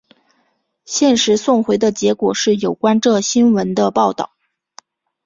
现时送回的结果是有关这新闻的报道。